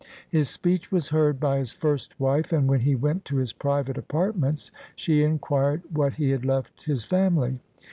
His speech was heard by his first wife, and when he went to his private apartments she inquired what he had left his family.